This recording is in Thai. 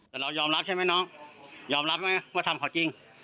แต่เรายอมรับใช่ไหมน้องยอมรับไหมว่าทำเขาจริง